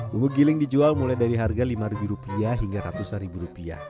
bumbu giling dijual mulai dari harga lima ribu rupiah hingga ratusan ribu rupiah